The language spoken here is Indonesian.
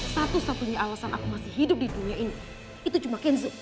satu satunya alasan aku masih hidup di dunia ini itu cuma kenzoo